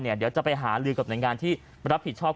เดี๋ยวจะไปหาลือกับหน่วยงานที่รับผิดชอบ